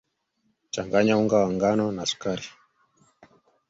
changanya unga wa ngano na sukari